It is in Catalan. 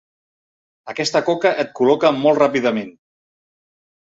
Aquesta coca et col·loca molt ràpidament.